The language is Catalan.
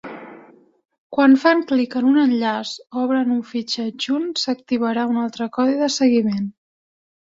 Quan fan clic en un enllaç o obren un fitxer adjunt, s'activarà un altre codi de seguiment.